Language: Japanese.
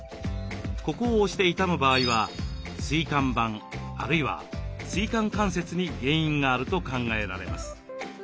ここを押して痛む場合は椎間板あるいは椎間関節に原因があると考えられます。